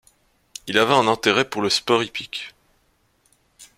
Il avait un intérêt pour le Sport hippique.